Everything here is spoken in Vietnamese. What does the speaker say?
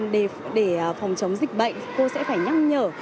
để phòng chống dịch bệnh cô sẽ phải nhắc nhở